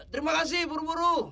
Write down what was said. terima kasih purwuru